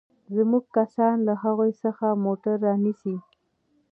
زموږ کسان له هغوى څخه موټر رانيسي.